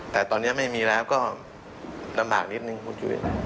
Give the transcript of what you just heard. แต่ตอนนี้ไม่มีแล้วก็ลำบากนิดนึงคุณจุลิน